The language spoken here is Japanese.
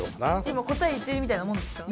今答え言ってるみたいなもんですか？